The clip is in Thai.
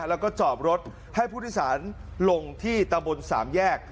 แล้วก็จอบรถให้ผู้โดยสารลงที่ตำบลสามแยก